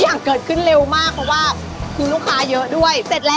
จานนี้ก็ราคาเท่ากันใช่ไหมใช่